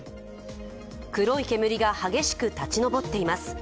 黒い煙が激しく立ち上っています。